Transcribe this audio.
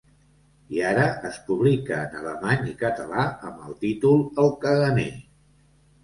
I ara es publica en alemany i català amb el títol El caganer.